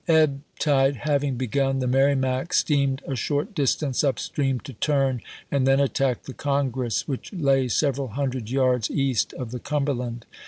Ebb tide having begun, the Merrimac steamed a short distance up stream to turn, and then attacked the Congress which lay several hundred yards east of the Cumberland.